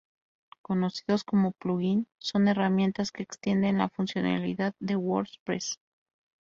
Conocidos como "Plugin", son herramientas que extienden la funcionalidad del WordPress.